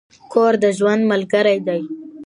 کور د ژوند ملګری دی.